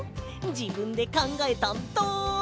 じぶんでかんがえたんだ。